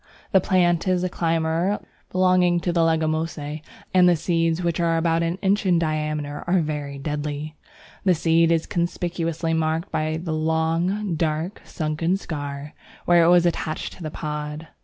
The plant is a climber belonging to the Leguminosæ, and the seeds, which are about an inch in diameter, are very deadly. The seed is conspicuously marked by the long, dark, sunken scar, where it was attached to the pod.